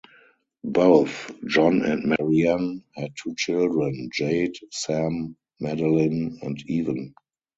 Both John and Marianne had two children, Jade, Sam, Madeline, and Evan.